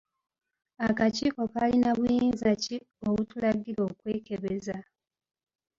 Akakiiko kalina buyinza ki obutulagira okwekebeza?